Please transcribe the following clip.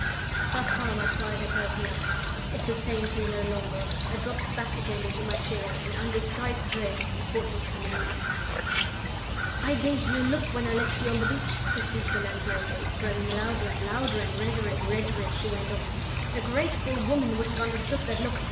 Thus far my pride had held me up. It sustained me no longer. I dropped back again into my chair, in undisguised dread of what was coming next. "I gave you a look when I left you on the beach," pursued the landlady, growing louder and louder and redder and redder as she went on. "A grateful woman would have understood that look.